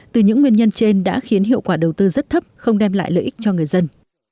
từ những nguyên nhân trên đã khiến hiệu quả đầu tư rất thấp không đem lại lợi ích cho người dân